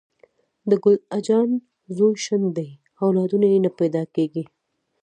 د ګل اجان زوی شنډ دې اولادونه یي نه پیداکیږي